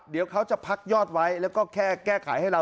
เดี๋ยวเขาจะพักยอดไว้แล้วก็แค่แก้ไขให้เรา